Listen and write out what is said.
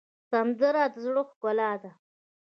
سندره د زړه ښکلا ده